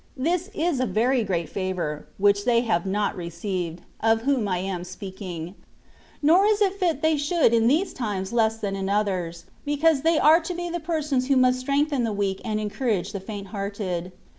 This is a very great favour, which they have not received, of whom I am speaking ; nor is it fit they should in these times less than in others, because they are to be the persons who must strengthen the weak and encourage the faint hearted.